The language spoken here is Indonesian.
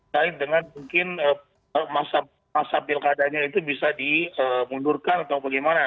kait dengan mungkin masa pilkadanya itu bisa dimundurkan atau bagaimana